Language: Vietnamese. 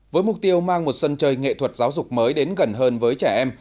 với mục tiêu mang một sân chơi nghệ thuật giáo dục mới đến gần hơn với trẻ em